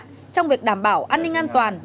trong việc đảm bảo an ninh an toàn